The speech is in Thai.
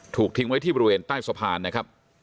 ถูกทิ้งไว้ที่บริเวณใต้สะพานนะครับ